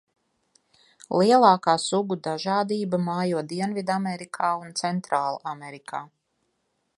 Lielākā sugu dažādība mājo Dienvidamerikā un Centrālamerikā.